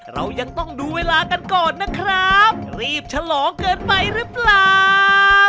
เรายังต้องดูเวลากันก่อนนะครับรีบฉลองเกินไปหรือเปล่า